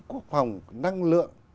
quốc phòng năng lượng